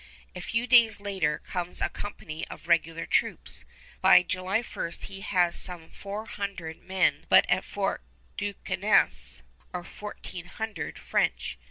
A few days later comes a company of regular troops. By July 1 he has some four hundred men, but at Fort Duquesne are fourteen hundred French.